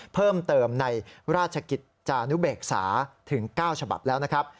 เพิ่มเติมในราชกิจจานุเบกษาถึง๙ฉบับแล้วนะครับ